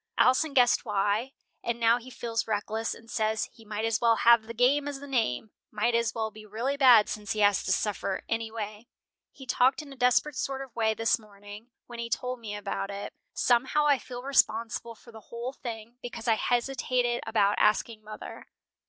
Alson guessed why, and now he feels reckless, and says he might as well have the game as the name, might as well be really bad since he has to suffer anyway. He talked in a desperate sort of way this morning when he told me about it. Somehow I feel responsible for the whole thing, because I hesitated about asking mother."